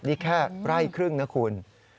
นี่แค่ไร่ครึ่งนะคุณ